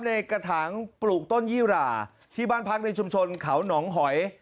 ในกระถางปลูกต้นยี่หราที่บ้านพักในชุมชนเขาหนองหอย